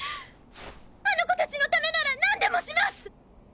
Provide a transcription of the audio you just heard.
あの子達の為なら何でもします！